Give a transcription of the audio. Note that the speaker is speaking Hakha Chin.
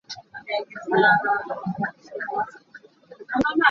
Tangka chiahnak inn ah kal hmasa ka herh.